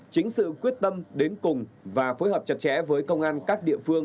chính sự quyết tâm đến cùng và phối hợp chặt chẽ với công an các địa phương